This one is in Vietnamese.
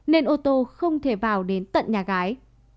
nên ô tô không thể vào đến tận nhà gái